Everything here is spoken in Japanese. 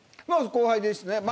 まあ、後輩ですね。